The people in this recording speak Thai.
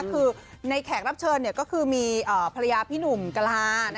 คือในแขกรับเชิญก็คือมีภรรยาพี่หนุ่มกะลา